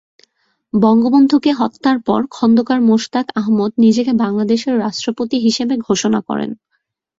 বঙ্গবন্ধুকে হত্যার পর খোন্দকার মোশতাক আহমদ নিজেকে বাংলাদেশের রাষ্ট্রপতি হিসেবে ঘোষণা করেন।